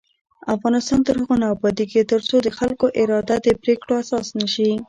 افغانستان تر هغو نه ابادیږي، ترڅو د خلکو اراده د پریکړو اساس نشي.